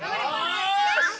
よし。